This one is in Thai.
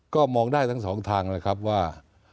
ก็มองได้ทั้งสองทางนะครับว่า